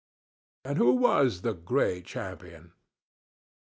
And who was the Gray Champion?